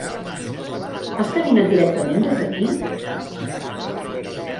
Has caminat directament des d'aquí?